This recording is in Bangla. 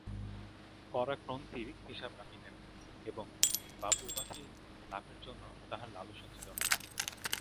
কড়াক্রন্তির হিসাব রাখিতেন, এবং বাবু উপাধি লাভের জন্য তাঁহার লালসা ছিল না।